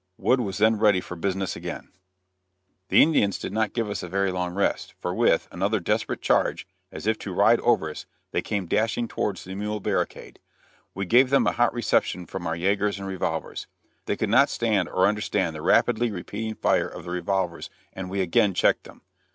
Wood was then ready for business again. [Illustration: HOLDING THE FORT.] The Indians did not give us a very long rest, for with, another desperate charge, as if to ride over us, they came dashing towards the mule barricade. We gave them a hot reception from our yagers and revolvers. They could not stand, or understand, the rapidly repeating fire of the revolvers, and we again checked them.